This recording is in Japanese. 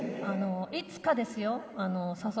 いつかですよ。